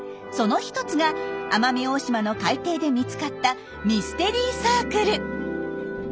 その一つが奄美大島の海底で見つかったミステリーサークル。